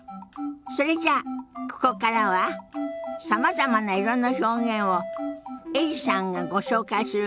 それじゃあここからはさまざまな色の表現をエリさんがご紹介するわよ。